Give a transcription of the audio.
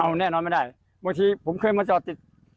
เอาแน่นอนไม่ได้บางทีผมเคยมาจอดติด